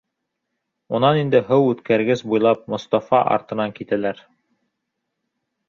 Унан инде һыу үткәргес буйлап Мостафа артынан китәләр.